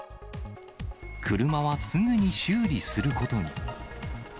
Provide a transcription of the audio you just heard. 車はすぐに修理することに。